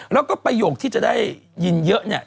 แล้วก็ประโยคที่จะได้ยินเยอะเนี่ย